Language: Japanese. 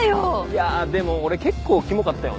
いやでも俺結構キモかったよね？